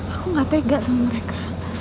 aku gak tega sama mereka